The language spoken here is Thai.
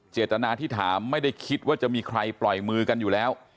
เจตนาที่ถามไม่ได้คิดว่าจะมีใครปล่อยมือกันอยู่แล้ว